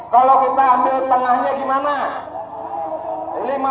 kalau kita ambil tengahnya gimana